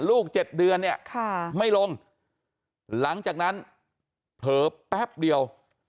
ลูกเจ็ดเดือนเนี่ยค่ะไม่ลงหลังจากนั้นเผลอแป๊บเดียว